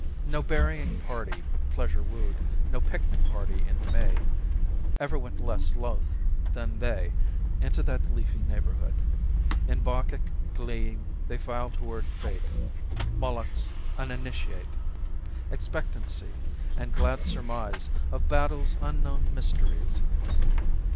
No berrying party, pleasure wooed, No picnic party in the May, Ever went less loth than they Into that leafy neighborhood. In Bacchic glee they file toward Fate, Moloch's uninitiate; Expectancy, and glad surmise Of battle's unknown mysteries.